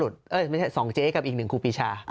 สองเจ๊กับอีกหนึ่งครูปีชา